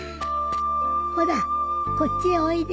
ほらこっちへおいで。